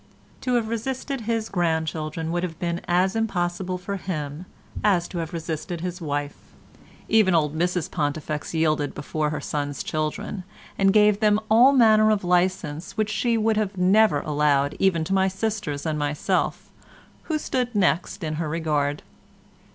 To have resisted his grandchildren would have been as impossible for him as to have resisted his wife; even old Mrs Pontifex yielded before her son's children, and gave them all manner of licence which she would never have allowed even to my sisters and myself, who stood next in her regard.